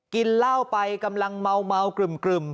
กินเหล้าไปกำลังเมากรึ่ม